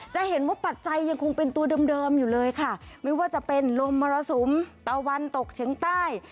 จะเห็นว่าปัจจัยยังคงเป็นตัวเดิมอยู่เลยค่ะไม่ว่าจะเป็นลมมรสุมตะวันตกเฉียงใต้